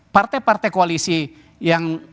partai partai koalisi yang